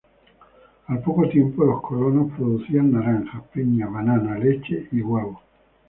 Al poco tiempo, los colonos producían naranjas, piñas, bananas, leche y huevos.